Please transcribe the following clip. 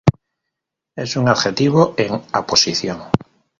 Es un adjetivo en aposición.